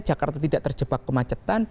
jakarta tidak terjebak kemacetan